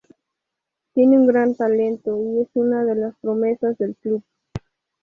Tiene un gran talento y es una de las promesas del club.